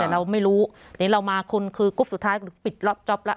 แต่เราไม่รู้เดี๋ยวเรามาคุณคือกรุ๊ปสุดท้ายปิดรอบจ๊อปแล้ว